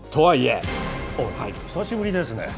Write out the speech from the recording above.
久しぶりですね。